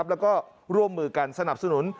แล้วก็ร่วมมือกันสนับสนุน